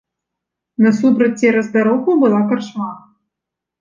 Насупраць цераз дарогу была карчма.